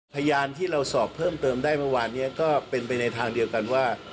พยานที่เราสอบเพิ่มเติมได้เมื่อวานนี้ก็เป็นไปในทางเดียวกันว่า